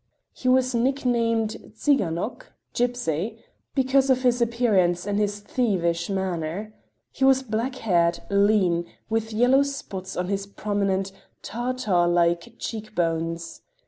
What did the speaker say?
He was nicknamed Tsiganok (gypsy) because of his appearance and his thievish manner. He was black haired, lean, with yellow spots on his prominent, "Tartar like cheek bones.